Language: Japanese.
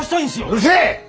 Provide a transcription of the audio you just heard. うるせえ！